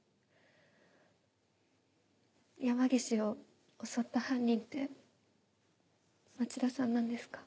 山岸を襲った犯人って町田さんなんですか？